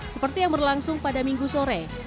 seperti yang berlangsung pada minggu sore